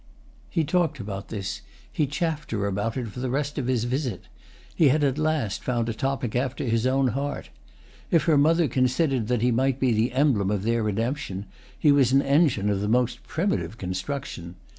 He talked about this, he chaffed her about it for the rest of his visit: he had at last found a topic after his own heart. If her mother considered that he might be the emblem of their redemption he was an engine of the most primitive construction.